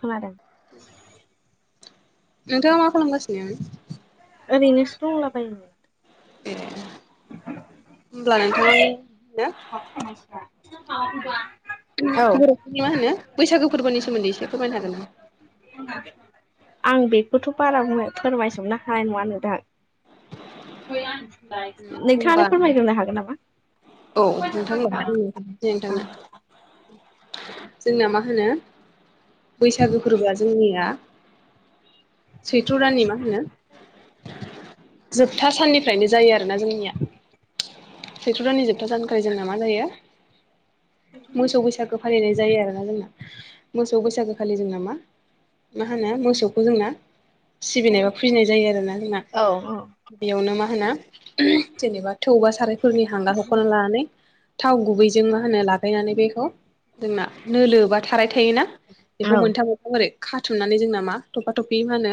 खोनादों नोंथाङा मा खालामगासिनो? ओरैनोसो दंलाबायो। ए होनब्ला नोंथाङा [unintelligible] [unintelligible] औ बर'फोरनि मा होनो बैसागो फोरबोनि सोमोन्दै एसे फोरमायनो हागोन नामा [unintelligible] आं बेखौथ' बारा बुं फोरमायजोबनो हानाय नङा नोंथां नोंथाङानो होमबा फोरमायग्रोनो हागोन नामा औ [unintelligible] नोंथांना जोंना मा होनो बैसागो फोरबोआ जोंनिया सैथ्र' दाननि मा होनो जोबथा साननिफ्रायनो जायो आरोना जोंनिया सैथ्र' दाननि जोबथा सानखालि जोंना मा जायो मोसौ बैसागो फालिनाय जायो आरोना जोंना मोसौ बैसागो खालि जोंना मा मा होनो मोसौखौ जोंना सिबिनाय बा फुजिनाय जायो आरोना जोंना औ औ बेयावनो मा होनो जेनेबा थौ बा सारायफोरनि हांगार हख'ना लानानै थाव गुबैजों मा होनो लागायनानै बेखौ जोंना नोलो बा थाराय थायोना बेखौ मोनथाम ओरै खाथुमनानै जोंना मा थफा थफि मा होनो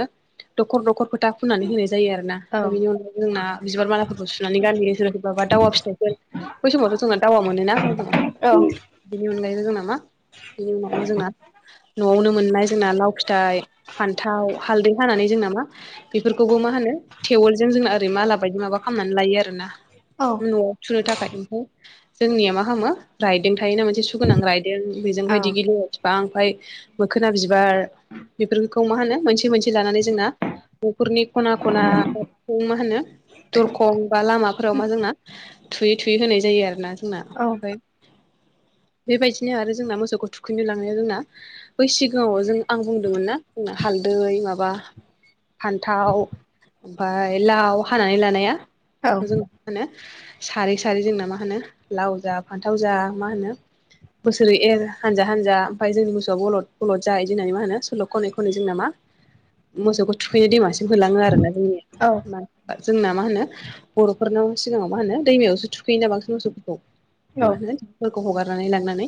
दखर दखर फोथा फुननानै होनाय जायो आरो ना ओमफाय औ बिनि अनागायै जोंना बिबार मालाफोरखौ सुनानै गानहोयो सोर सोरबा बा दावा फिथाइफोर बै समावथ' जोंना दावा मोनोना बिनि अनगायैबो जोंना मा बिनि उनाव मा जोंना न'आवनो मोननाय जोंना लाव फिथाइ फान्थाव हालदै हानानै जोंना मा बेफोरखौबो मा होनो टेवलजों जोंना ओरै माला बायदि माबा खालामनानै लायो आरोना न'आव थुनो थाखाय ओमफ्राय जोंनिया मा खालामामो राइदों थायोना मोनसे सुगोनां राइद दों बेजों बायदि गिनो बिबां ओमफाय मोखोना बिबार बेफोरखौ मा होनो मोनसे मोनसे लानानै जोंना न'खरनि खना खना मा होनो दरखं बा लामाफोराव मा जोंना थुयै थुयै होनाय जायो आरो ना जोंना ओमफाय बेबायदिनो आरो जोंना मोसौखौ थुखैनो लांनाया जोंना बै सिगाङाव जों आं बुंदोंमोन ना हालदै माबा फान्थाव ओमफाय लाव हानानै लानाया बेखौ जों मा होनो सारै सारै जोंना मा होनो लाव जा फान्थाव जा मा होनो बोसोरै एर हानजा हानजा ओमफाय जोंनि मोसौआ बलद बलद जा इदि होननानै मा होनो सल' खनै खनै जोंना मा मोसौखौ थुखैनो दैमासिम होलाङो आरोना जोंनिया मा जोंना मा होनो बर'फोरनाव सिगाङाव मा होनो दैमायावसो थुखैयोना बांसिन मोसौफोरखौ मा होनो फोरखौ हगारनानै लांनानै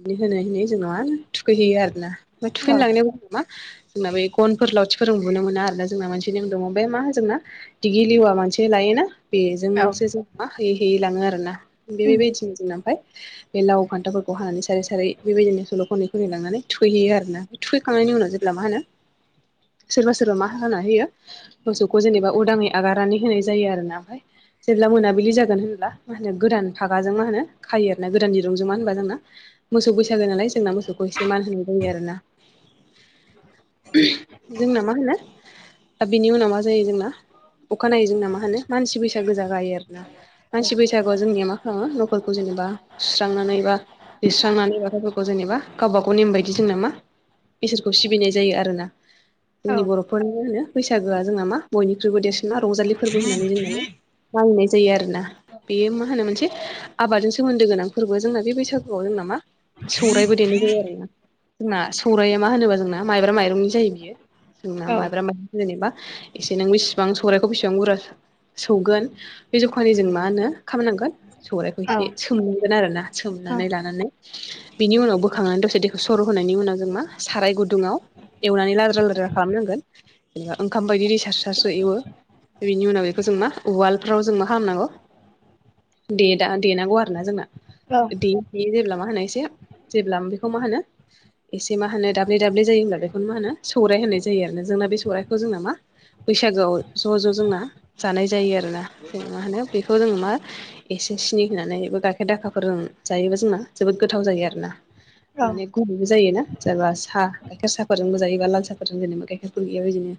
बिदि होनै होनै जोंनाव आरो थुखैहैयो आरोना थुखैनो लांनायाव नामा जोंना बे गनफोर लावथिफोरजों बुनो मोना आरो ना जोंना मोनसे नेम दङ ओमफ्राय मा जोंना दिगि लेवा मानसे लायोना बेजोंसो जों मा होयै होयै लाङो आरोना बेबायदिनो जोंना ओमफ्राय बे लाव खान्थाफोरखौ हानानै सारै सारै बेबायदिनो सल' खनै खनै लांनानै थुहैयो आरोना थुहैखांनायनि उनाव जेब्ला मा होनो सोरबा सोरबा मा हाना होयो मोसौखौ जेनेबा उदाङै आगारनानै होनाय जायो आरोना ओमफ्राय जेब्ला मोनाबिलि जागोन होनब्ला मा होनो गोदान फागाजों मा होनो खायो आरो ना गोदान दिरुंजों मानो होनबा जोंना मोसौ बैसागो नालाय जोंना मोसौखौ एसे मान होनाय जायो आरो ना जोंना मा होनो बिनि उनाव माबा जायो जोंना अखानायनायै जोंना मा होनो मानसि बैसागो जागायो आरो ना मानसि बैसागुआ जोंनिया मा खालामो न'फोरखौ जेनेबा सुस्रांनानै बा लिरस्रांनानै बाथौफोरखौ जेनेबा गावबागाव नेम बायदि जोंना मा इसोरखौ सिबिनाय जायो आरो ना जोंनि बर'फोरनि मा होनो बैसागोआ जोंना मा बयनिख्रुइबो देरसिन मा रंजालि फोरबो होननानै जों मोनो मानिनाय जायो आरो ना बेयो मा होनो मोनसे आबादजों सोमोन्दो गोनां फोरबो जोंना बे बैसागुआव जोंना मा सौरायबो देनाय जायो आरोना जोंना सौराइया मा होनोबा जोंना माइब्रा माइरंनि जायो बियो जोंना माइब्रा माइरं जेनेबा एसे नों बेसेबां सौराइखौ बेसेबां बुरजा सौगोन बे जखानि जों मा होनो खालामनांगोन सौराइखौ एसे सोम गोन आरो ना सोमनानै लानानै बिनि उनाव बोखांनानै दसे दैखौ सर' होनायनि उनाव जों मा साराय गुदुंआव एवनानै लाद्रा लाद्रा खालामनांगोन जेनेबा ओंखाम बायदि दै सारस्रो सारस्रो एवो बेनि उनाव बेखौ जों मा उवालफ्राव जों मा खालामनांगौ दे दा देनांगौ आरोना जोंना औ बियो जेब्ला मा होनो एसे जेब्ला बेखौ मा होनो एसे मा होनो दाब्ले दाब्ले जायो होनब्ला बेखौनो मा होनो सौराइ होननाय जायो आरो जोंना बे सौराइखौ जोंना मा बैसागोआव ज' जोंना जानाय जायो आरोना जोंना मा होनो बेखौ जोङो मा एसे सिनि होनानै एबा गाइखेर दाखाफोर जायोबा जोंना जोबोद गोथाव जायो आरोना। माने गुरैबो जायोना जेनेबा साहा गाइखेर साहाफोरजोंबो जायोबा लाल साहफोरजों जेनेबा गाइखेरफोर गैयाब बिदिनो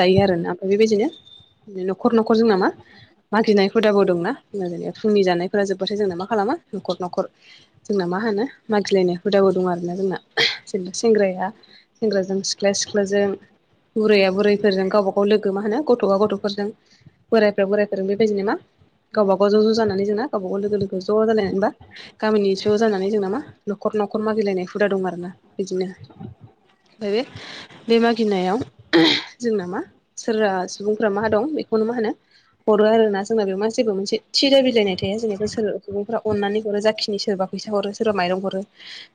जायो आरोना ओमफ्राय बेबायदिनो न'खर न'खर जोंना मा मागिनायफोर हुदाबो दंना जोंना फुंनि जानायफोरा जोब्बथाय जोंना मा खालामो न'खर न'खर जोंना मा होनो मागिलायनाय हुदाबो दं आरोना जोंना जेनबा सेंग्राया सेंग्राजों सिख्लाया सिख्लाजों बुरैया बुरैफोरजों गावबा गाव लोगो मा होनो गथ'आ गथ'फोरजों बोरायफ्रा बोराइफोरजों बेबायदि मा गावबागाव ज' ज' जानानै जोंना गवबा गाव लोगो लोगो ज' जालायनानै मा गामिनि ज जानानै जों ना मा न'खर न'खर मागिलायनाय हुदा दं आरो ना बिदिनो। ओमफाय बे बे मागिनायाव जोंना मा सोरबा सुबुंफोरा मा दं बेखौनो मा होनो हरो आरो ना जोंना बेयाव मा जेबो मोनसे थि दाबिलाायनाय थाया जेनेब सोर सुबुंफ्रा अननानै हरो जाखिनि सोरबा फैसा हरो सोरबा माइरं हरो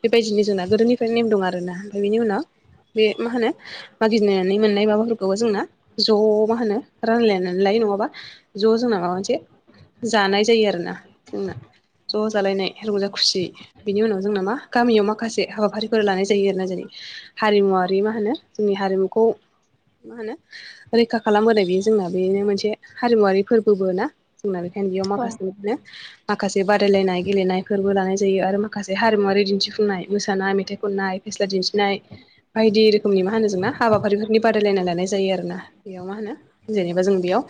बेबायदिनो जोंना गोदोनिफ्रायनो नेम दं आरोना ओमफ्राय बेनि उनाव बे मा होनो मागिनो नानै मोननाय माबाफोरखौबो जोंना ज' मा होनो रानलायनानै लायो नङाबा ज' जोंना माबा मोनसे जानाय जायो आरोना जोंना। ज' जालायनाय रंजा खुसियै। बिनि उनाव जोंना मा गामियाव माखासे हाबाफारिफोर लानाय जायो आरोना जेरै हारिमुवारि मा होनो जोंनि हारिमुखौ मा होनो रैखा खालामबोाय बेयो जोंना बेनो मोनसे हारिमुवरारि फोरबोबो ना? जोंना बेखायनो बेयाव माखासेनो माखासे बादायलायनाय गेलेनायफोरबो लानाय जायो आरो माखासे हारिमुवरारि दिन्थिफुंनाय मोसानाय, मेथाइ, खननाय फेस्ला दिन्थिनाय बायदि रोखोमनि मा होनो जोंना हाबा फारिफोरनि बादायलायना लानाय जायो आरोना बेयाव मा होनो जेनेबा जों बेयाव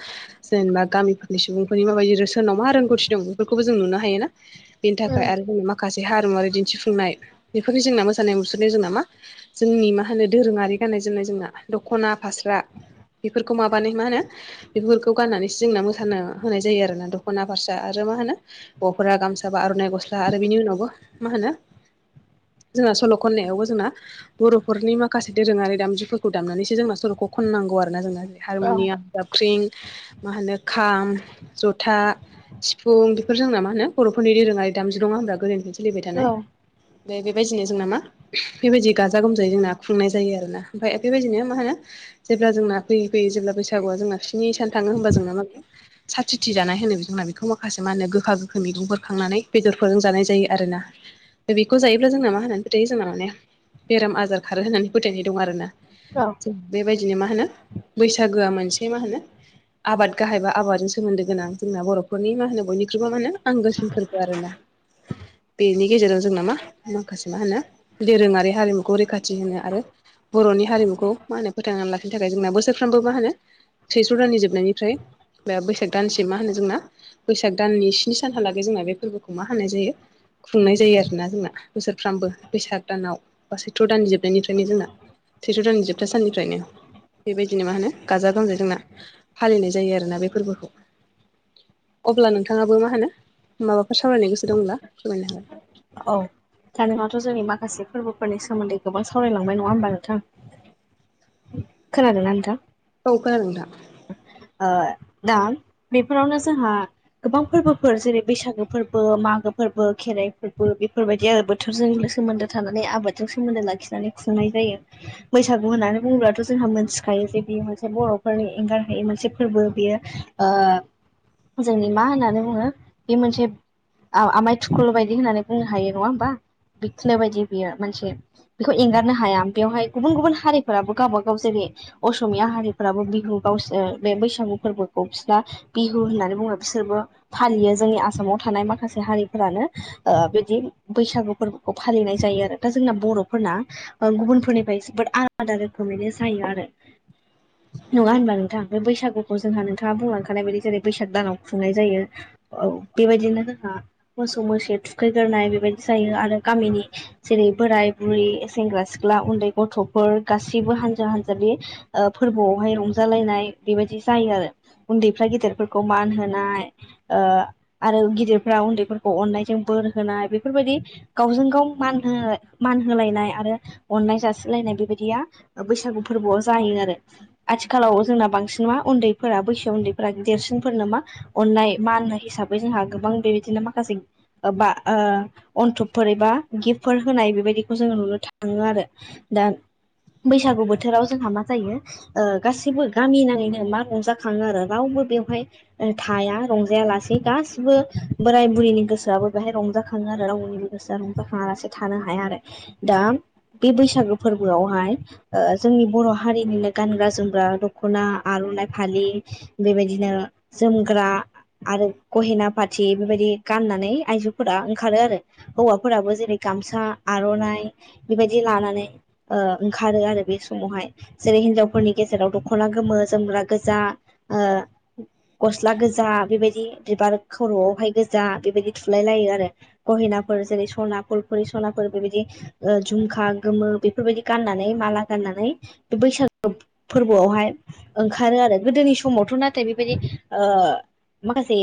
जेनेबा गामिफोरनि सुबुंफोरनि माबायदि रो-रोसोनाव मा रोंगौथि दं बेफोरखौबो जों नुनो हायो ना? बेनि थाखाय आरो जोंना माखासे हारिमुवारि दिन्थिफुंनाय बेफोरनि जोंना मोसानाय मुसुरनाय जोंना मा जोंनि मा होनो दोरोङारि गाननाय जोमनाय जोंना दख'ना फास्रा बेफोरखौ माबानाय मा होनो बेफोरखौ गाननानैसो जोंना मोसानो होनाय जायो आरोना दख'ना फारसा आरो मा होनो हौवाफोरा गामसा बा आर'नाइ गस्ला आरो बिनि उनावबो मा होनो जोंना सल' खननायावबो जोंना बर'फोरनि माखासे दोरोङारि दामजु खौ दामनानैसो जोंना सलखौ खननांगौ आरो जोंनाै हारमनियाम, जाबख्रिं, मा होनो खाम, जथा, सिफुं बेफोरजोंना मा होनो बर'फोरनि दोरोङारि दामजु दङा होन्रा गोदोनिफ्रायनो सोलिबाय थानाय। ओमफाय बेबायदिनो जोंना मा बेबायदि गाजा गोमजायै जोंना खुंनाय जायो आरोना ओमफ्राय बेबायदिनो मा होनो जेब्ला जोंना फैयै फैयै जेब्ला बैसागुआ जोंना बिसन सान थाङो होनोमबा जोंना माबायो साथिथि जानाय होनो जोंना बेखौ माखासे मा होनो गोखा गोखै मैगंफोर खांनानै बेदरफोरजों जानाय जायो आरोना। दा बेखौ जायोब्ला जोंना मा होननानै फोथायो जोंना माने बेराम आजार खारो होननानै फोथायनाय दं आरोना। औ बेबायदिनो मा होनो बैसागुआ मोनसे मा होनो आबाद गाहायबा आबादजों सोमोन्दो गोनां जोंना बर'फोरनि मा होनो बयनिख्रुइबो आंगोसिन फोरबो आरो ना। बेनि गेजेरजों जोंना मा माखासे मा होनो दोरोङारि हारिमुखौ रैखाथि होनो आरो बर'नि हारिमुखौ मा होनो फोथांनानै लाखिनो थाखाय जोंना बोसोरफ्रामबो मा होनो थैस्र' दाननि जोबनायनिफ्राय दा बैसाग दानसे मा होनो जोंना बैसाग दाननि स्नि सानहालागै जोंना बे फोरबोखौ मा होनानाय जायो। खुंनाय जायो आरोना जोंना बोसोरफ्रामबो बैसाग दानाव बा सैथ्र' दाननि जोबनायनिफ्रायनो जोंना सैथ' दननि जोबथा सान बेबायदिनो मा होनो गाजा गोमजाय जोंना फालिनाय जायो आरोना बे फोरबोखौ अब्ला नोंथाङाबो मा होनो माबाफोर सावरायनो गोसो दंब्ला फोरमायनो हाबाय औ दा नङाथ' जोंनि माखासे फोरबोफोरनि सोमोन्दै गोबां सावरायलांबाय नङा होमबा नोंथां खोनादोंना नोंथां औ खोनादों नोंथां ओ दा बेफोरावनो जोंहा गोबां फोरबोफोर जेरै बैसागु फोरबो मागो फोरबो खेराइ फोरबो बेफोरबायदि आरो बोथोरजों सोमोन्दो थानानै आबादजों सोमोन्दो लाखिनानै खुंनाय जायो। बैसागु होननानै बुङोबथ' जोंहा मोनथिखायो जे बियो मोनसे बर'फोरनि एंगार बे मोनसे फोरबो बेयो ओ जोंनि मा होननानै बुङो बे मोनसे आमाय थुखुलु बायदि होननानै बुंनो हायो नङा होमबा बिखनो बायदि बियो मोनसे एंगारनो बेवहाय गुबुन गुबुन हारिफोराबो गावबा गाव जेरै असमिया हारिफोराबो बिहु गावसोर बे बैसागु फोरबोखौ बिसना बिहु होननानै बुङो बिसोरबो फालियो जोंनि आसामाव थानाय माखासे हारिफोरानो ओ बिदि बैसागु फोर खौ फालिनाय जायो आरो दा जोंना बर'फोरना गुबुनफोरनिफ्राय जोबोद आलादा रोखोमैनो जायो आरो नङा होनब नोंथां बे बैसागुखौ जोंहा नोंथाङा बुंलांखानाय बायदि जेरै बैसाग दानाव खुंनाय जायो। औ बेबायदिनो जोंहा मोसौ मोस थुखैग्रोनाय बेबायदि जायो आरो गामिनि जेरै बोराय बुरै सेंग्रा सिख्ला उन्दै गथ'फोर गासैबो हानजा हानजानि ओ फोरबोआवहाय रंज रंजालायनाय बेबायदि जायो आरो ओ उन्दैफ्रा गेदेरफोरखौ मान होनाय ओ आरो गिदिरफ्रा उन्दैफोरखौ अन्नायजों बोर होनाय बेफोरबायदि गावजों गाव मान हो मान होलायनाय आरो अन्नाय जासिलायनाय बेबायदिया बैसागु फोरबोआव जायो आरो खालाव जोंना बांसिन मा उन्दैफोरा बैसोआव उन्दैफोरा देरसिनफोरनो मा अननाय मान हिसाबै जोंहा गोबां बेबायदिनो माखासे ओबा ओ अन्थोबफोर एबा गिफ्टफोर होनाय बेबायदिखौ जोङो नुनो थाङो आरो दा बैसागु बोथोराव जोंहा मा जायो ओ गासिबो गामि नाङैनो मा रंजाखायो आरो रावबो बेवहाय थाया रंजाया लासेै गासिबो बोराय बुरिनि गोसोआबो बेहाय रंजाखाङो आरो रावनि गोसोया रंजाखांयालासे थानो हाया आरो दा बे बैसागो फोरबोआवहाय ओ जोंनि बर' हारिनिनो गानग्रा जोम ग्रा दख'ना आर'नाइ फालि बेबायदिनो जोमग्रा आरो गहेना पाथि बेबायदि गाननानै आइजोफोरा ओंखारो आरो हौवाफोराबो जेरै गामसा आर'नाइ बेबायदि लानानै ओ ओंखारो आरो बे समावहाय जेरै हिनजावफोरनि गेजेराव दख'ना गोमो जोमग्रा गोजा गस्ला गोजा बेबायदि बिबार खर'आवहाय गोजा बेबायदि थुलाय लायो आरो गहिनाफोर जेरै सना फुलफुरि सनाफोर बेबायदि ओ झुमखा गोमो बेफोरबायदि गाननानै माला गाननानै बे बैसागो फोरबोआवहाय ओंखारो आरो गोदोनि समावथ' नाथाय बेबायदि ओ माखासे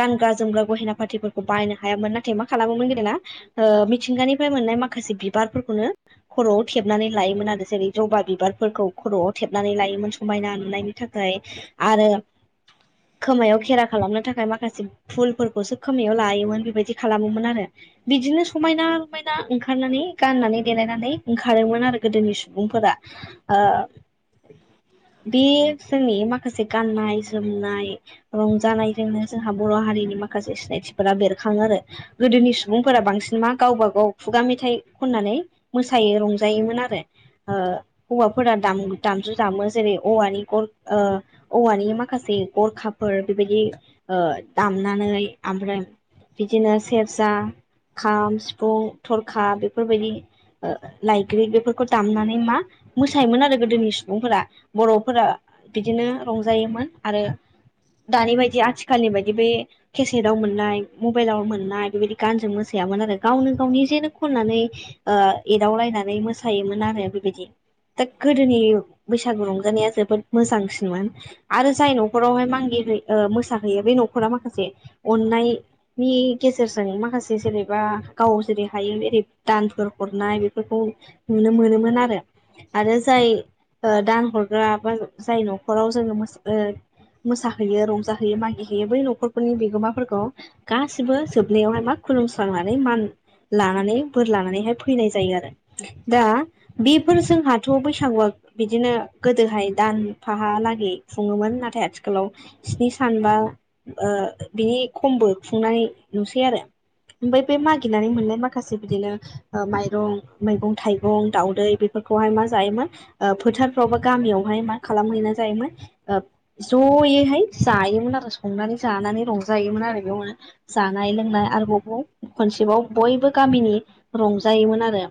गानग्रा जोमग्रा गहेना फार्टिफोरखौ बायनो हायामोन नाथाय मा खालामोमोन गेदोना ओ मिथिंगानिफ्राय मोननाय माखासे बिबारफोरखौनो खर'आव थेबनानै लायोमोन आरो जेरै जबा बिबारफोरखौ खर'आव थेबनानै लायोमोन समायना नुनायनि थाखाय आरो खोमायाव खेरा खालामनो थाखाय माखासे फुलफोरखौसो खोमायाव लायोमोन बेबायदि खालामोमोन आरो बिदिनो समायना रमायना ओंखारनानै गाननानै देलायनानै ओंखारोमोन आरो गोदोनि सुबुंफोरा आ [inaudible] बे जोंनि माखासे गाननाय जोमनाय रंजानायजोंनो जोंहा बर' हारिनि माखासे सिनायथिफोरा बेरखाङो आरो गोदोनि सुबुंफोरा बांसिन मा गावबा गाव खुगा मेथाइ खननानै मोसायो रंजायोमोन आरो ओ हौवाफोरा दाम दामजु दामो जेरै औवानि गरखा औवानि माखासे गरखाफोर बेबायदि ओ दामनानै ओमफ्राय बिदिनो सेरजा खाम सिफुं थरखा बेफोरबायदि लाायग्रि बेफोरखौ दामनानै मा मोसायोमोन आरो गोदोनि सु सुबुंफोरा बर'फोरा बिदिनो रंजायोमोन आरो दानि बायदि आथिखालनि बायदि बे केसेटआव मोननाय मबाइलाव मोननाय बेबायदि गानजों मोसायामोन आरो गावनो गावनि जेनो खननानै ओ एदावलायनानै मोसायोमोन आरो बेबायदि दा गोदोनि बैसागु रंजानाया जोबोद मोजांसिनमोन आरो जाय न'खरावहाय मांगि होयो मोसाहैयो बे न'खरा माखासे अननाय नि गेजेरजों माखासे जेनेबा गाव जेरै हायो एरै दानफोर हरनाय बेफोरखौ नुनो मोनोमोन आरो आरो जाय ओ दान हरग्रा बा जाय न'खराव जोङो ओ मोसाहैयो रंजाहोयो मागि होयो बै न'खरफोरनि बिगोमाफोरखौ गासिबो जोबनायावहाय मा खुलुमस्रांनानै मान लानानै बोर लानानैहाय फैनाय जायो आरो दा बेफोर जोंहाथ' बैसागुआ बिदिनो गोदोहाय दानफाहालागै खुङोमोन नाथाय आथिखालाव स्नि सानबा ओ बिनि खमबो खुंनाय नुसै आरो ओमफ्राय बे मागिनानै मोननाय माखासे बिदिनो ओ माइरं मैगं थाइगं दावउदै फोरखौहाय मा जायोमोन ओ फोथारफ्रावबोा गामियावहाय मा जायोमोन ओब ज'यैहाय जायोमोन आरो संनानै जानानै रंजायोमोन आरो बेयाव जानाय लोंनाय आरोबावबाव खनसेबाव बयबो गामिनि रंजायोमोन आरो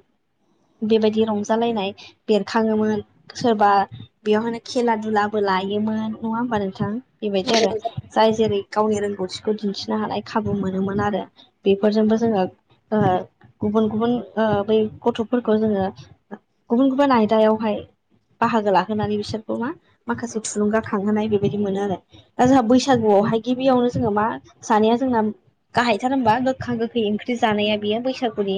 बेबायदि रंजालायनाय बेरखाङोमोन सोरबा बेयावहायनो खेला दुलाबो लायोमोन नङा होमबा नोंथां बेबायदि आरो जाय जेरै गावनि रोंगौथिखौ दिन्थिनो हानाय खाबु मोनोमोन आरो बेफोरजोंबो जोङो ओ गुबुन गुबुन ओ बै गथ'फोरखौ जोङो गुबुन गुबुन आयदायावहाय बाहागो लाहोनानै बिसोरखौ मा माखासे थुलुंगाखांहोनाय बेबायदि मोनो आरो दा जोंहा बैसागुआवहाय गिबियावनो जोङो मा जानाया जोंना गाहायथार होमबा गोखा गोखै ओंख्रि जानाया बियो बैसागुनि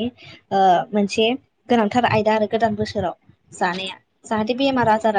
ओ मोनसे गोनांथार आयदा आरो गोदान बोसोराव जानाया जाहाथे बेमार आजारा